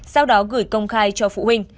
sau đó gửi công khai cho phụ huynh